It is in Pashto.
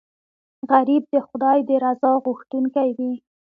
غریب د خدای د رضا غوښتونکی وي